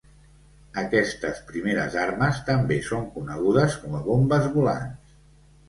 Aquestes primeres armes també són conegudes com a bombes volants.